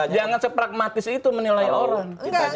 jangan sepragmatis itu menilai orang